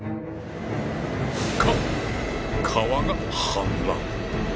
か川が氾濫！